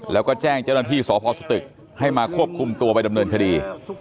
แล้วก็แจ้งเจ้าหน้าที่สพสตึกให้มาควบคุมตัวไปดำเนินคดี